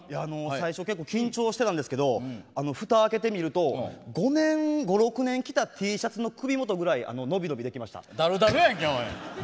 最初、結構緊張してたんですけどふた開けてみると５６年着たＴシャツの首元ぐらいだるだるやんけ！